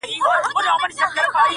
ده د دیني زغم پالیسي درلوده